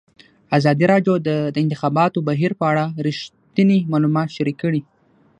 ازادي راډیو د د انتخاباتو بهیر په اړه رښتیني معلومات شریک کړي.